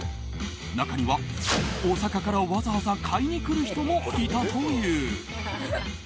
中には大阪から、わざわざ買いに来る人もいたという。